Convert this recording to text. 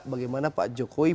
bagaimana pak jokowi